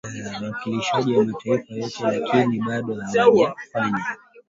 wawakilishi wa mataifa yote lakini bado hawajafanya